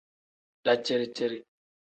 Daciri-ciri.